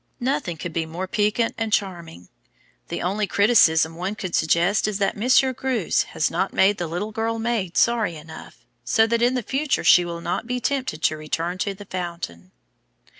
Nothing could be more piquant and charming. The only criticism one could suggest is that Monseiur Greuze has not made the little maid sorry enough, so that in the future she will not be tempted to return to the fountain!"